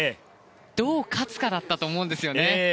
どう勝つかだと思うんですよね。